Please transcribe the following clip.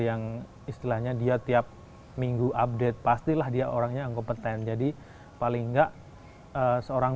yang istilahnya dia tiap minggu update pastilah dia orangnya yang kompeten jadi paling enggak seorang